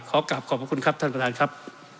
ขอกลับขอบพระคุณครับท่านประธานครับ